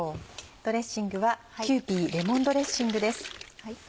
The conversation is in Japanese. ドレッシングは「キユーピーレモンドレッシング」です。